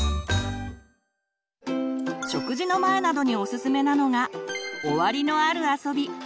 食事の前などにおすすめなのが「終わりのある遊び」。